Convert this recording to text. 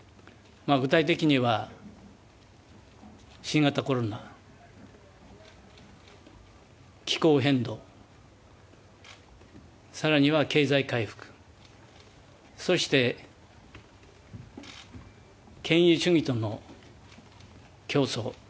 具体的には新型コロナ、気候変動さらには経済回復そして、権威主義との競争。